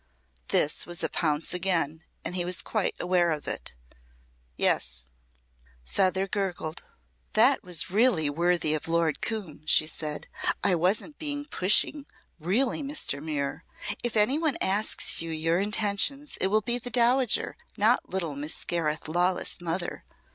This was a pounce again and he was quite aware of it. "Yes." Feather gurgled. "That was really worthy of Lord Coombe," she said. "I wasn't being pushing, really, Mr. Muir. If any one asks you your intentions it will be the Dowager not little Miss Gareth Lawless' mother.